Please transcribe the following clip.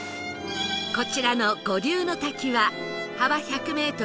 こちらの五竜の滝は幅１００メートル